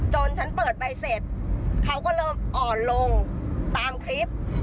ฉันเปิดไปเสร็จเขาก็เริ่มอ่อนลงตามคลิป